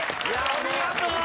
ありがとう！